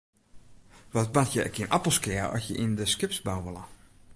Wat moatte je ek yn Appelskea at je yn de skipsbou wolle?